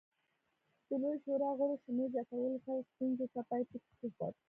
د لویې شورا غړو شمېر زیاتولو سره ستونزې ته پای ټکی کېښود.